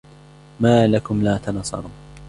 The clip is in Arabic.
مَا لَكُمْ لَا تَنَاصَرُونَ